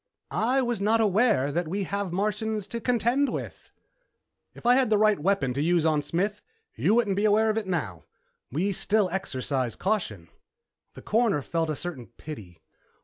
"I was not aware that we have Martians to contend with." "If I'd had the right weapon to use on Smith, you wouldn't be aware of it now. We still exercise caution." The Coroner felt a certain pity.